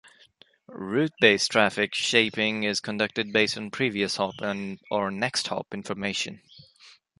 Route-based traffic shaping is conducted based on previous-hop or next-hop information.